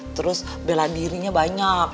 terus bela dirinya banyak